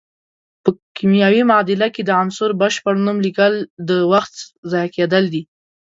په کیمیاوي معادله کې د عنصر بشپړ نوم لیکل د وخت ضایع کیدل دي.